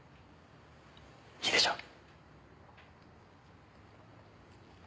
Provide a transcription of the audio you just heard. いいでしょう？